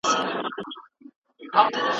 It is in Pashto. اقتصاد د تولیدي توکو کیفیت مطالعه کوي.